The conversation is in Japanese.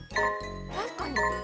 確かに。